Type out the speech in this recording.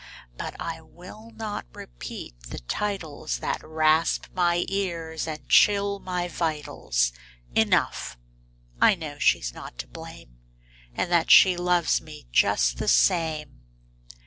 But I will not repeat the titles That rasp my ears and chill my vitals. Enough, I know she's not to blame. And that she loves me just the same."